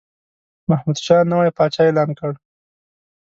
محمودشاه نوی پاچا اعلان کړ.